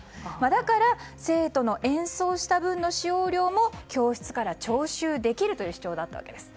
だから、生徒の演奏した分の使用料も教室から徴収できるという主張だったわけです。